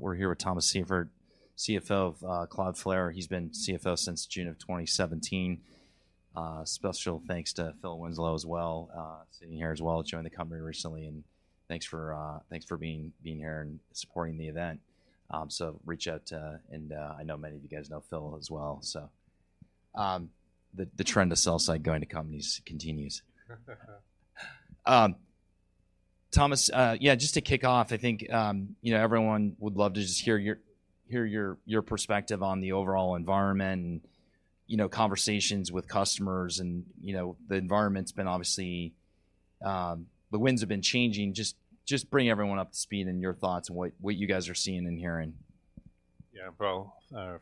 We're here with Thomas Seifert, CFO of Cloudflare. He's been CFO since June of 2017. Special thanks to Phil Winslow as well, sitting here as well. Joined the company recently, thanks for being here and supporting the event. I know many of you guys know Phil as well. The trend of sell-side going to companies continues. Thomas, yeah, just to kick off, I think, you know, everyone would love to just hear your perspective on the overall environment, you know, conversations with customers, and, you know, the environment's been obviously... the winds have been changing. Just bring everyone up to speed on your thoughts and what you guys are seeing and hearing. Yeah. Well,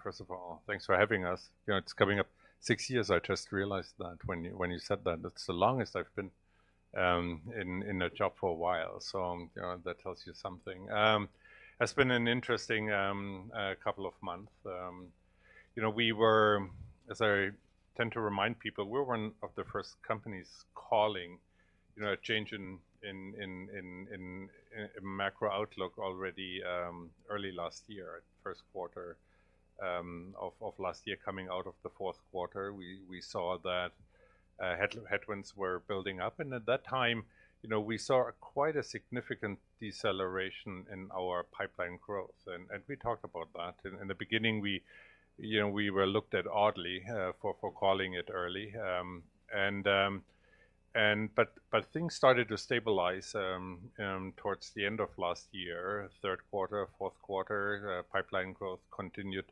first of all, thanks for having us. You know, it's coming up six years. I just realized that when you, when you said that. That's the longest I've been in a job for a while. You know, that tells you something. It's been an interesting couple of months. You know, as I tend to remind people, we were one of the first companies calling, you know, a change in macro outlook already early last year, at first quarter of last year. Coming out of the fourth quarter, we saw that headwinds were building up. At that time, you know, we saw quite a significant deceleration in our pipeline growth, and we talked about that. In the beginning, we, you know, we were looked at oddly, for calling it early. Things started to stabilize towards the end of last year. Third quarter, fourth quarter, pipeline growth continued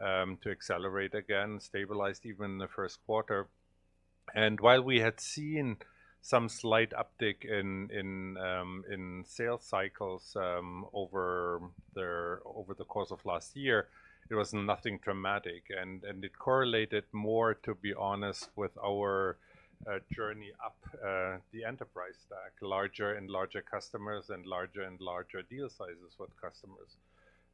to accelerate again, stabilized even in the first quarter. While we had seen some slight uptick in sales cycles over the course of last year, it was nothing dramatic. It correlated more, to be honest, with our journey up the enterprise stack. Larger and larger customers and larger and larger deal sizes with customers.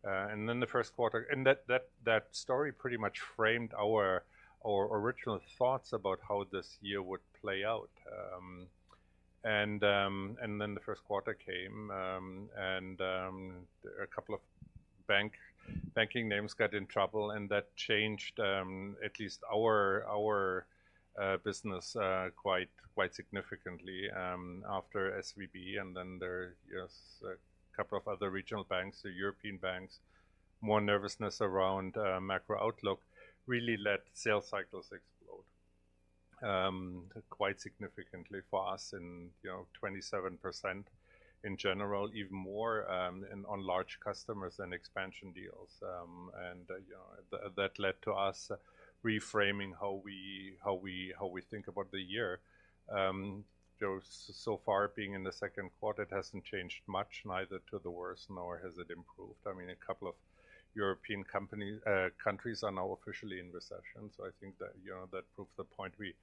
The first quarter and that story pretty much framed our original thoughts about how this year would play out. The first quarter came, and a couple of banking names got in trouble, and that changed at least our business quite significantly after SVB. Yes, a couple of other regional banks, the European banks. More nervousness around macro outlook really let sales cycles explode quite significantly for us in 27% in general, even more in on large customers than expansion deals. That led to us reframing how we think about the year. So far, being in the second quarter, it hasn't changed much, neither to the worse, nor has it improved. I mean, a couple of European countries are now officially in recession, so I think that, you know, that proves the point we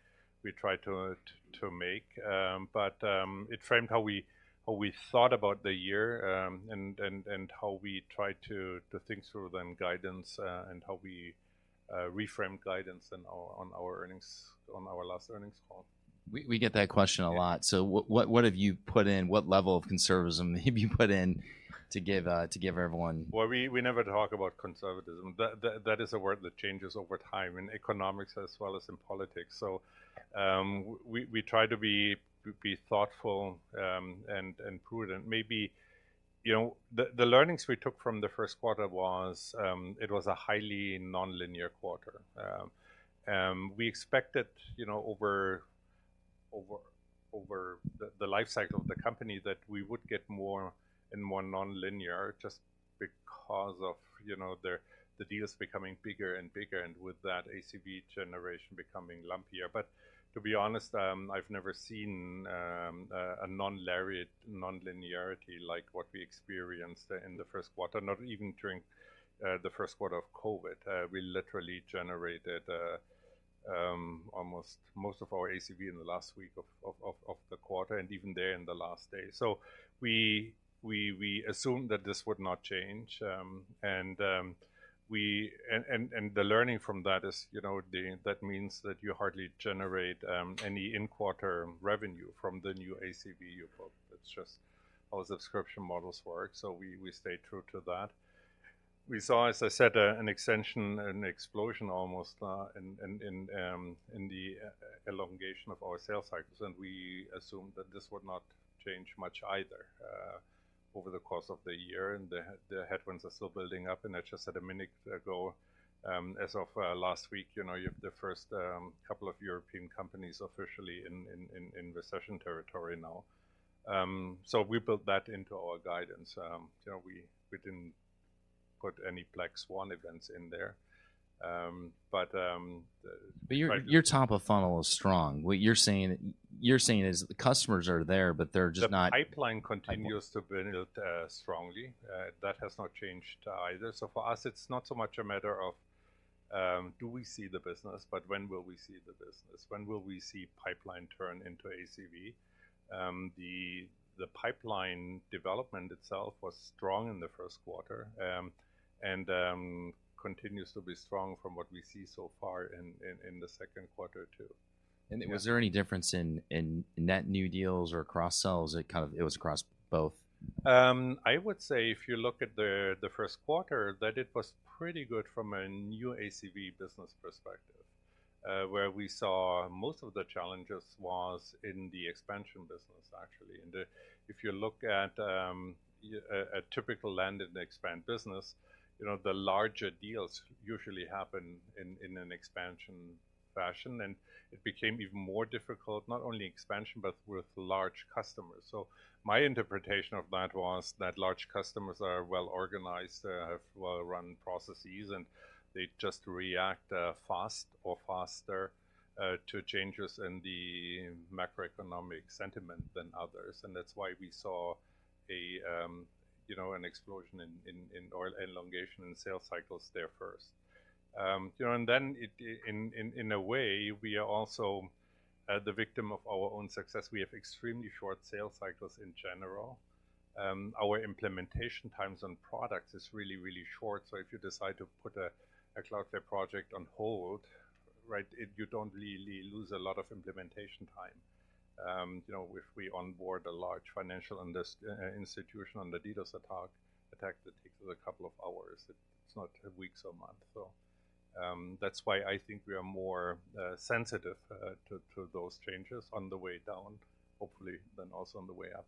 tried to make. It framed how we thought about the year, and how we tried to think through then guidance, and how we reframed guidance on our earnings, on our last earnings call. We get that question a lot. Yeah. What have you put in? What level of conservatism have you put in to give everyone-? We never talk about conservatism. That is a word that changes over time in economics as well as in politics. We try to be thoughtful and prudent. Maybe, you know, the learnings we took from the first quarter was, it was a highly nonlinearity quarter. We expected, you know, over the life cycle of the company, that we would get more and more nonlinearity just because of, you know, the deals becoming bigger and bigger, and with that, ACV generation becoming lumpier. To be honest, I've never seen a nonlinearity like what we experienced in the first quarter, not even during the first quarter of COVID. We literally generated almost most of our ACV in the last week of the quarter, and even there in the last day. We assumed that this would not change, and the learning from that is, you know, that means that you hardly generate any in-quarter revenue from the new ACV you book. It's just how subscription models work. We stayed true to that. We saw, as I said, an extension, an explosion, almost, in the elongation of our sales cycles, and we assumed that this would not change much either over the course of the year. The headwinds are still building up, and I just said a minute ago, as of last week, you know, you have the first couple of European companies officially in recession territory now. We built that into our guidance. You know, we didn't put any black swan events in there. Your top of funnel is strong. What you're saying is the customers are there, but they're just not- The pipeline continues to build strongly. That has not changed either. For us, it's not so much a matter of do we see the business, but when will we see the business? When will we see pipeline turn into ACV? The pipeline development itself was strong in the first quarter. And continues to be strong from what we see so far in the second quarter, too. Was there any difference in net new deals or cross-sells? It was across both. I would say if you look at the first quarter, that it was pretty good from a new ACV business perspective, where we saw most of the challenges was in the expansion business, actually. If you look at a typical land-and-expand business, you know, the larger deals usually happen in an expansion fashion, and it became even more difficult, not only expansion, but with large customers. My interpretation of that was that large customers are well-organized, they have well-run processes, and they just react fast or faster to changes in the macroeconomic sentiment than others. That's why we saw a, you know, an explosion in or elongation in sales cycles there first. You know, it, in a way, we are also the victim of our own success. We have extremely short sales cycles in general. Our implementation times on products is really, really short. If you decide to put a Cloudflare project on hold, right, you don't really lose a lot of implementation time. You know, if we onboard a large financial institution on the DDoS attack, that takes us two hours. It's not weeks or months. That's why I think we are more sensitive to those changes on the way down, hopefully, than also on the way up.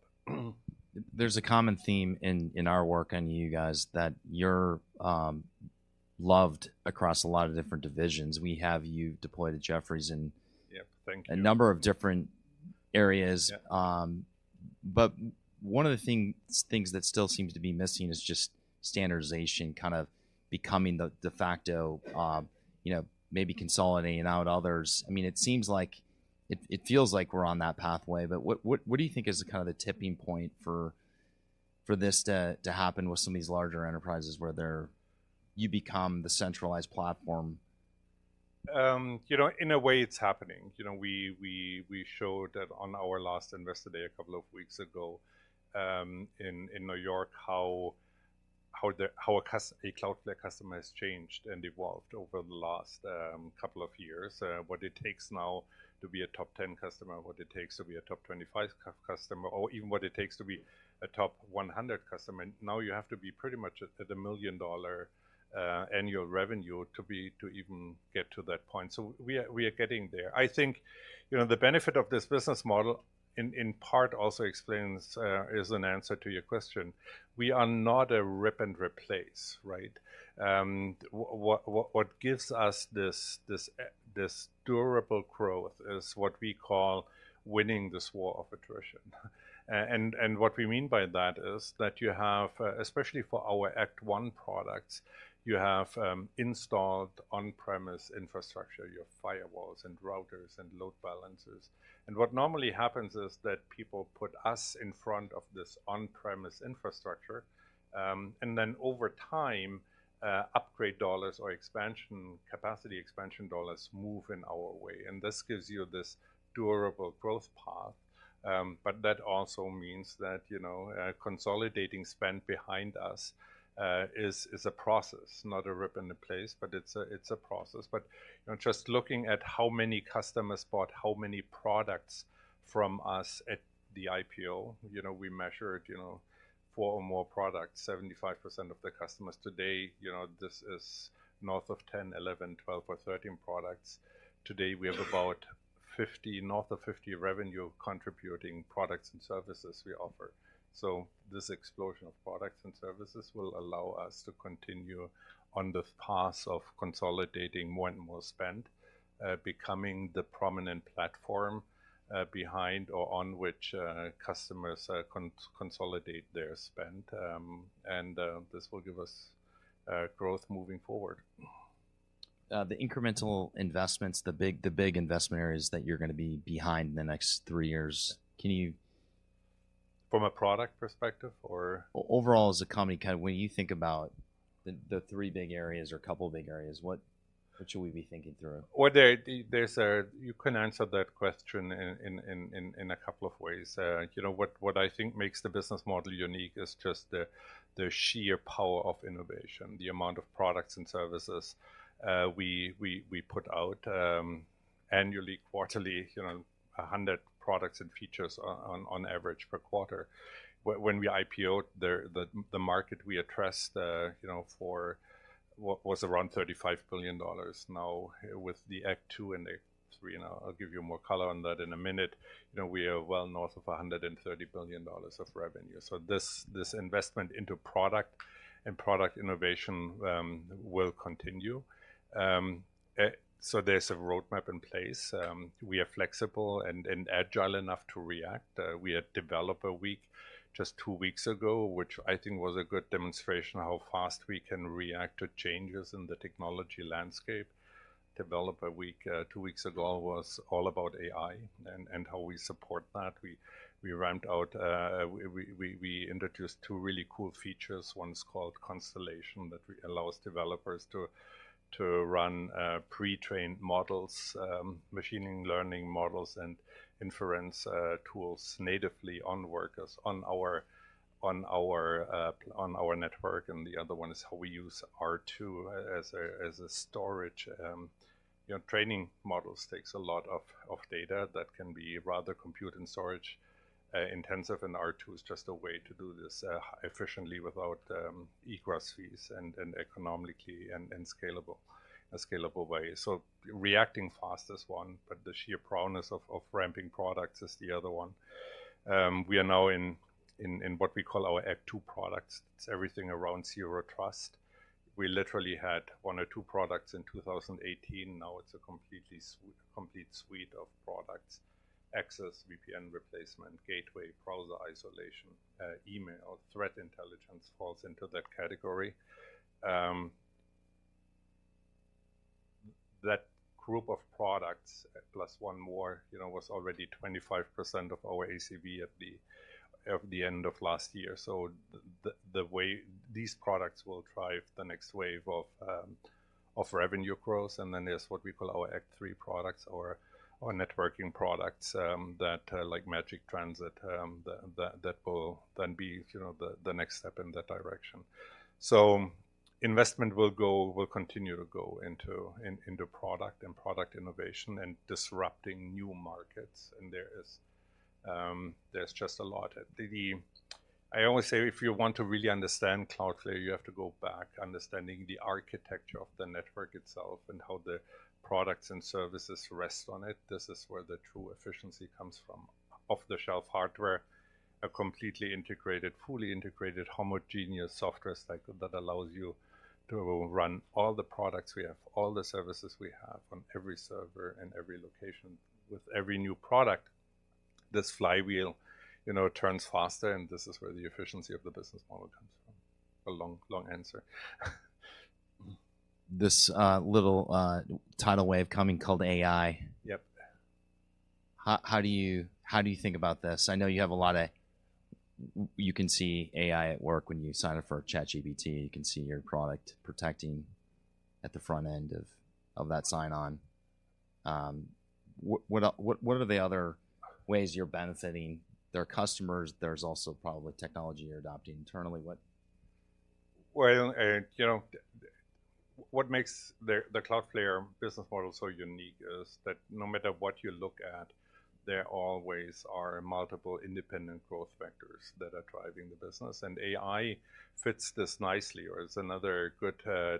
There's a common theme in our work on you guys, that you're loved across a lot of different divisions. We have you deployed at Jefferies. Yep. Thank you. a number of different areas. Yep. One of the things that still seems to be missing is just standardization kind of becoming the de facto, you know, maybe consolidating out others. It feels like we're on that pathway, but what do you think is the kind of the tipping point for this to happen with some of these larger enterprises, where you become the centralized platform? You know, in a way, it's happening. You know, we showed that on our last Investor Day, a couple of weeks ago, in New York, how a Cloudflare customer has changed and evolved over the last couple of years. What it takes now to be a top 10 customer, what it takes to be a top 25 customer, or even what it takes to be a top 100 customer. Now, you have to be pretty much at a million-dollar annual revenue to even get to that point. We are getting there. I think, you know, the benefit of this business model in part also explains, is an answer to your question: We are not a rip and replace, right? What gives us this durable growth is what we call winning this war of attrition. What we mean by that is that you have, especially for our ACT-1 products, you have installed on-premise infrastructure, you have firewalls and routers and load balancers. What normally happens is that people put us in front of this on-premise infrastructure, and then over time, upgrade dollars or expansion, capacity expansion dollars move in our way. This gives you this durable growth path. That also means that, you know, consolidating spend behind us, is a process, not a rip and replace, but it's a process. You know, just looking at how many customers bought how many products from us at the IPO, you know, we measured, you know, four or more products, 75% of the customers. Today, you know, this is north of 10, 11, 12, or 13 products. Today, we have about 50, north of 50 revenue-contributing products and services we offer. This explosion of products and services will allow us to continue on the path of consolidating more and more spend, becoming the prominent platform, behind or on which, customers consolidate their spend. And, this will give us growth moving forward. The incremental investments, the big investment areas that you're gonna be behind in the next three years? From a product perspective or? Overall, as a company, kind of when you think about the three big areas or couple of big areas, what should we be thinking through? Well, there's a. You can answer that question in a couple of ways. You know, what I think makes the business model unique is just the sheer power of innovation, the amount of products and services we put out annually, quarterly, you know, 100 products and features on average per quarter. When we IPO'd, the market we addressed, you know, was around $35 billion. Now, with the Act Two and Act Three, and I'll give you more color on that in a minute, you know, we are well north of $130 billion of revenue. This investment into product innovation will continue. So there's a roadmap in place. We are flexible and agile enough to react. We had Developer Week just two weeks ago, which I think was a good demonstration of how fast we can react to changes in the technology landscape. Developer Week, two weeks ago, was all about AI and how we support that. We ramped out. We introduced two really cool features. One is called Constellation, that we allow us developers to run pre-trained models, machine learning models, and inference tools natively on Workers, on our network, and the other one is how we use R2 as a storage. You know, training models takes a lot of data that can be rather compute and storage intensive, R2 is just a way to do this efficiently without egress fees and economically and scalable, a scalable way. Reacting fast is one, but the sheer prowess of ramping products is the other one. We are now in what we call our ACT-2 products. It's everything around Zero Trust. We literally had one or two products in 2018, now it's a completely complete suite of products, access, VPN replacement, gateway, browser isolation, email. Threat intelligence falls into that category. That group of products, plus 1 more, you know, was already 25% of our ACV at the end of last year. These products will drive the next wave of revenue growth, and then there's what we call our ACT-3 products or networking products that, like Magic Transit, will then be, you know, the next step in that direction. Investment will continue to go into product and product innovation and disrupting new markets. There is just a lot. I always say, if you want to really understand Cloudflare, you have to go back understanding the architecture of the network itself and how the products and services rest on it. This is where the true efficiency comes from. Off-the-shelf hardware, a completely integrated, fully integrated, homogeneous software stack that allows you to run all the products we have, all the services we have, on every server in every location. With every new product, this flywheel, you know, turns faster, and this is where the efficiency of the business model comes from. A long, long answer. This, little, tidal wave coming, called AI. Yep. How do you think about this? I know you have a lot of... You can see AI at work when you sign up for ChatGPT, you can see your product protecting at the front end of that sign-on. What are the other ways you're benefiting their customers? There's also probably technology you're adopting internally. Well, you know, the, what makes the Cloudflare business model so unique is that no matter what you look at, there always are multiple independent growth vectors that are driving the business. AI fits this nicely, or is another good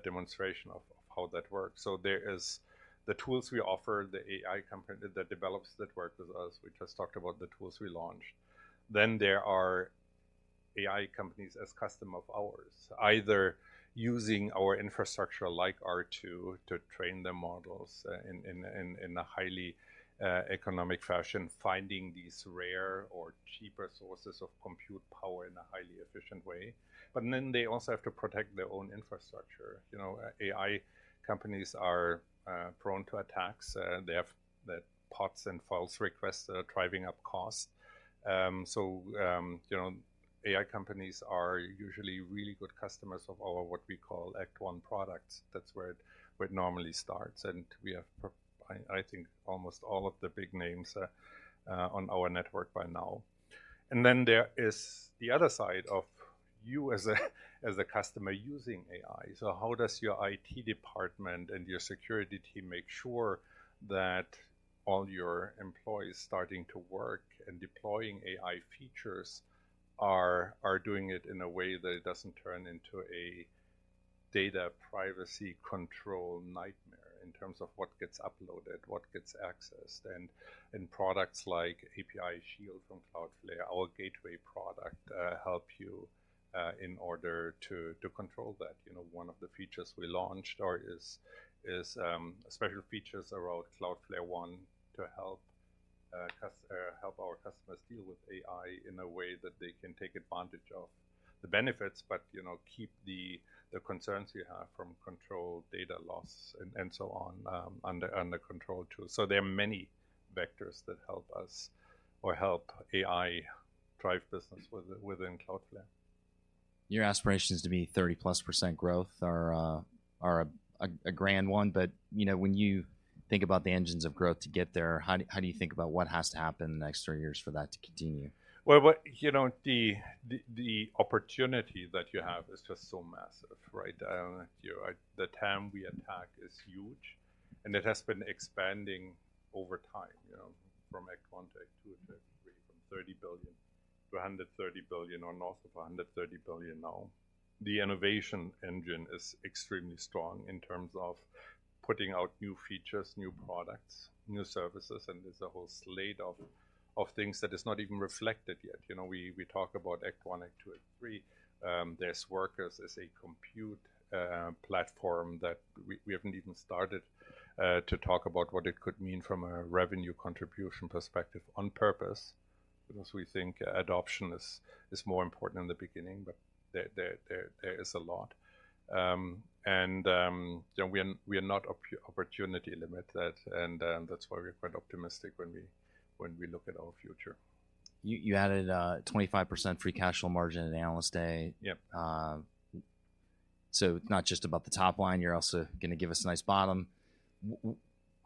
demonstration of how that works. There is the tools we offer, the developers that work with us. We just talked about the tools we launched. There are AI companies as customer of ours, either using our infrastructure like R2 to train their models, in a highly economic fashion, finding these rare or cheaper sources of compute power in a highly efficient way. They also have to protect their own infrastructure. You know, AI companies are prone to attacks. They have the bots and false requests that are driving up costs. You know, AI companies are usually really good customers of our, what we call ACT-1 products. That's where it normally starts. We have I think almost all of the big names on our network by now. There is the other side of you as a customer using AI. How does your IT department and your security team make sure that all your employees starting to work and deploying AI features are doing it in a way that it doesn't turn into a data privacy control nightmare, in terms of what gets uploaded, what gets accessed? Products like API Shield from Cloudflare, our gateway product, help you in order to control that. You know, one of the features we launched is special features around Cloudflare One to help our customers deal with AI in a way that they can take advantage of the benefits, but, you know, keep the concerns you have from control, data loss, and so on, under control, too. There are many vectors that help us or help AI drive business within Cloudflare. Your aspirations to be 30%+ growth are a grand one, but, you know, when you think about the engines of growth to get there, how do you think about what has to happen in the next three years for that to continue? You know, the opportunity that you have is just so massive, right? You know, the TAM we attack is huge, and it has been expanding over time, you know, from ACT-1 to ACT-2, ACT-3, from $30 billion to $130 billion or north of $130 billion now. The innovation engine is extremely strong in terms of putting out new features, new products, new services, and there's a whole slate of things that is not even reflected yet. You know, we talk about ACT-1, ACT-2, ACT-3. There's Workers as a compute platform that we haven't even started to talk about what it could mean from a revenue contribution perspective on purpose, because we think adoption is more important in the beginning, but there is a lot. You know, we are not opportunity limit that, and that's why we're quite optimistic when we look at our future. You added 25% free cash flow margin at Investor Day. Yep. Not just about the top line, you're also gonna give us a nice bottom.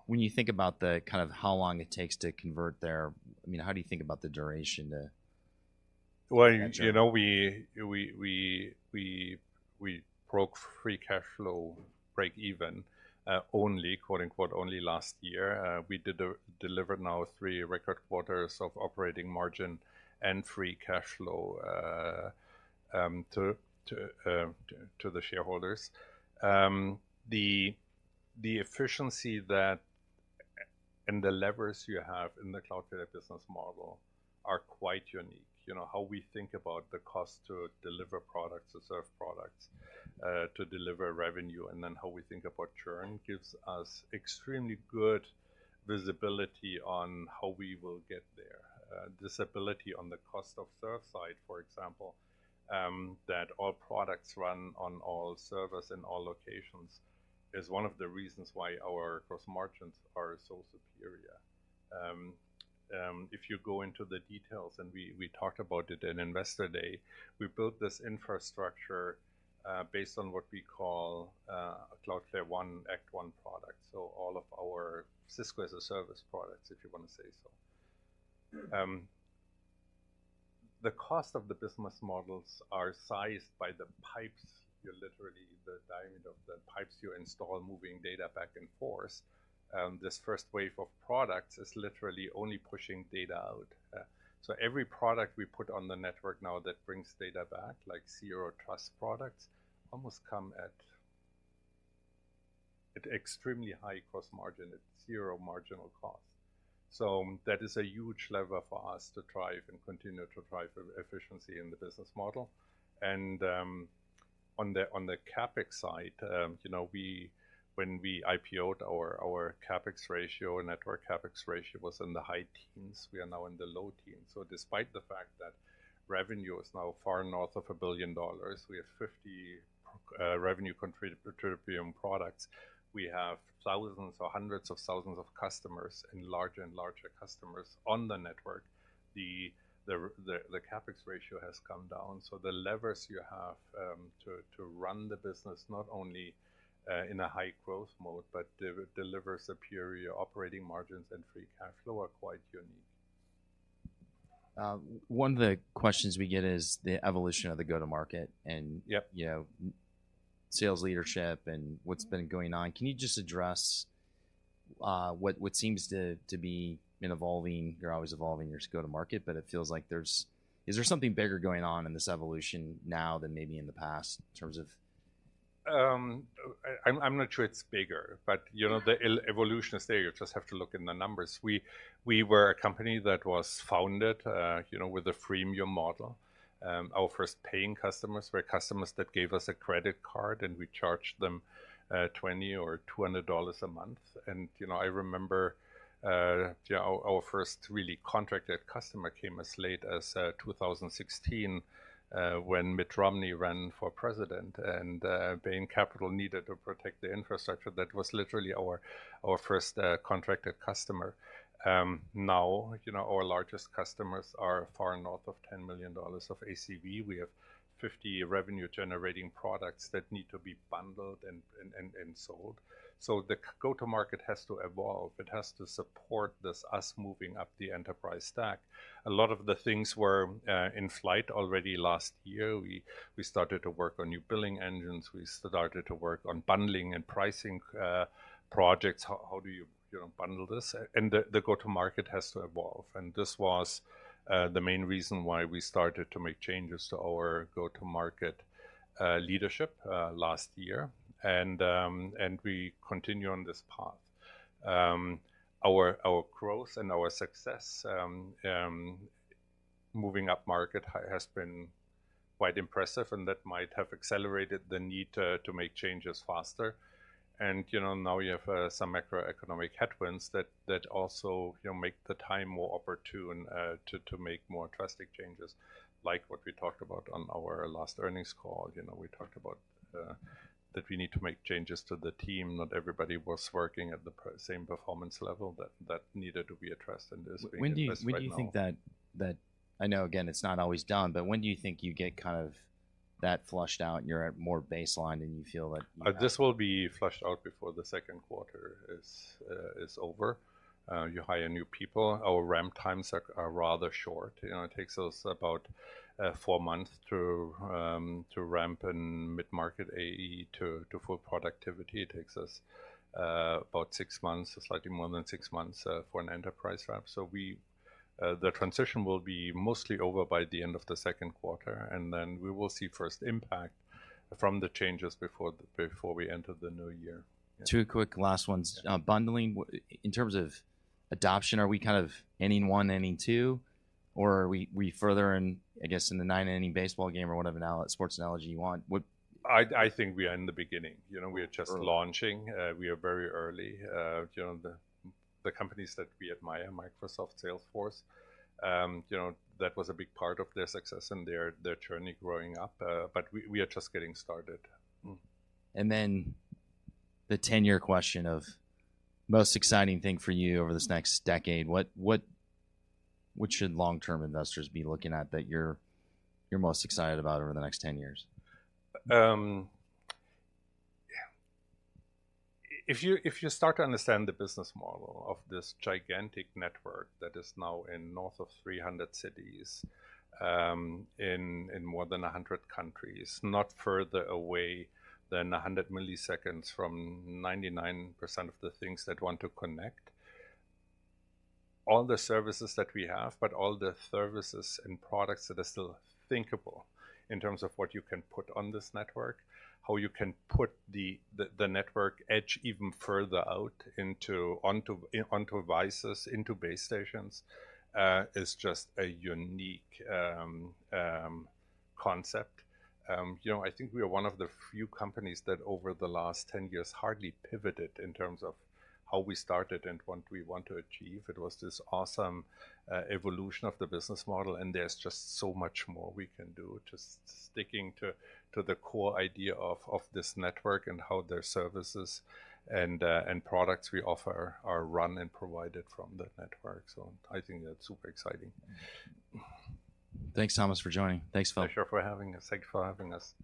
When you think about the kind of how long it takes to convert there, I mean, how do you think about the duration to-? Well, you know, we broke free cash flow breakeven, only, quote-unquote, only last year. We did deliver now three record quarters of operating margin and free cash flow to the shareholders. The efficiency that, and the levers you have in the Cloudflare business model are quite unique. You know, how we think about the cost to deliver products, to serve products, to deliver revenue, and then how we think about churn, gives us extremely good visibility on how we will get there. This ability on the cost of serve side, for example, that all products run on all servers in all locations, is one of the reasons why our gross margins are so superior. If you go into the details, and we talked about it in Investor Day, we built this infrastructure based on what we call a Cloudflare One, ACT-1 product. All of our Cisco-as-a-Service products, if you want to say so. The cost of the business models are sized by the pipes. You're literally the diameter of the pipes you install, moving data back and forth. This first wave of products is literally only pushing data out. Every product we put on the network now that brings data back, like Zero Trust products, almost come at extremely high cost margin, at zero marginal cost. That is a huge lever for us to drive and continue to drive efficiency in the business model. On the CapEx side, you know, when we IPO'd our CapEx ratio, network CapEx ratio was in the high teens. We are now in the low teens. Despite the fact that revenue is now far north of $1 billion, we have 50 contributing products. We have thousands or hundreds of thousands of customers and larger and larger customers on the network. The CapEx ratio has come down, so the levers you have to run the business, not only in a high growth mode, but deliver superior operating margins and free cash flow are quite unique. One of the questions we get is the evolution of the go-to-market. Yep... you know, sales leadership and what's been going on. Can you just address what seems to be an evolving-- You're always evolving your go-to-market, but it feels like there's... Is there something bigger going on in this evolution now than maybe in the past, in terms of... I'm not sure it's bigger, but, you know, the evolution is there. You just have to look in the numbers. We, we were a company that was founded, you know, with a freemium model. Our first paying customers were customers that gave us a credit card, and we charged them $20 or $200 a month. You know, I remember, yeah, our first really contracted customer came as late as 2016, when Mitt Romney ran for president, and Bain Capital needed to protect the infrastructure. That was literally our first contracted customer. Now, you know, our largest customers are far north of $10 million of ACV. We have 50 revenue-generating products that need to be bundled and sold. The go-to-market has to evolve. It has to support this, us moving up the enterprise stack. A lot of the things were in flight already last year. We started to work on new billing engines. We started to work on bundling and pricing projects. How do you know, bundle this? The go-to-market has to evolve, and this was the main reason why we started to make changes to our go-to-market leadership last year. We continue on this path. Our growth and our success moving upmarket has been quite impressive, and that might have accelerated the need to make changes faster. You know, now you have some macroeconomic headwinds that also, you know, make the time more opportune to make more drastic changes, like what we talked about on our last earnings call. You know, we talked about that we need to make changes to the team. Not everybody was working at the same performance level. That needed to be addressed, and is being addressed right now. When do you think that I know, again, it's not always done, but when do you think you get kind of that flushed out, and you're at more baseline, and you feel like you? This will be flushed out before the second quarter is over. You hire new people. Our ramp times are rather short. You know, it takes us about 4 months to ramp a mid-market AE to full productivity. It takes us about six months, slightly more than six months, for an enterprise ramp. The transition will be mostly over by the end of the second quarter, and then we will see first impact from the changes before we enter the new year. Two quick last ones. Yeah. Bundling, in terms of adoption, are we kind of inning one, inning two, or are we further in, I guess, in the ninth inning baseball game or whatever sports analogy you want? I think we are in the beginning. You know, we are. Early... launching. We are very early. You know, the companies that we admire, Microsoft, Salesforce, you know, that was a big part of their success and their journey growing up. We are just getting started. The 10-year question of most exciting thing for you over this next decade, what should long-term investors be looking at that you're most excited about over the next 10 years? Yeah. If you start to understand the business model of this gigantic network that is now in north of 300 cities, in more than 100 countries, not further away than 100 milliseconds from 99% of the things that want to connect. All the services that we have, but all the services and products that are still thinkable in terms of what you can put on this network, how you can put the network edge even further out into, onto devices, into base stations, is just a unique concept. You know, I think we are one of the few companies that, over the last 10 years, hardly pivoted in terms of how we started and what we want to achieve. It was this awesome evolution of the business model, and there's just so much more we can do, just sticking to the core idea of this network and how their services and products we offer are run and provided from the network. I think that's super exciting. Thanks, Thomas, for joining. Thanks, Phil. Pleasure for having us. Thank you for having us.